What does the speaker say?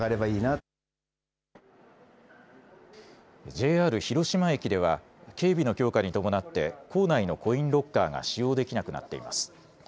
ＪＲ広島駅では警備の強化に伴って構内のコインロッカーが使用できなくなっています。